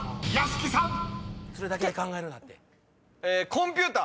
コンピュータ。